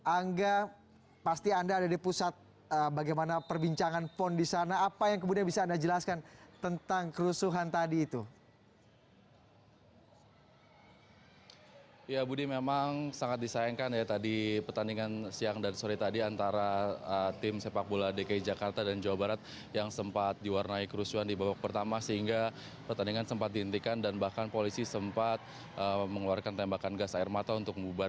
angga pasti anda ada di pusat bagaimana perbincangan pon di sana apa yang kemudian bisa anda jelaskan tentang kerusuhan tadi itu